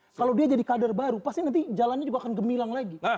kalau dia jadi kader baru pasti nanti jalannya juga akan gemilang lagi